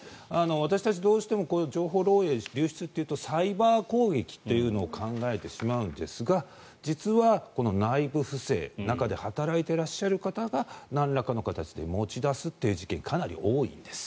私たちどうしてもこういう情報漏えい流出というとサイバー攻撃というのを考えてしまうんですが実はこの内部不正中で働いていらっしゃる方がなんらかの形で持ち出すという事件、かなり多いんです。